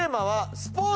スポーツ。